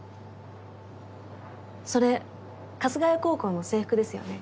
それ春日谷高校の制服ですよね？